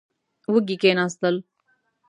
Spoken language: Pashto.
وږي کېناستل.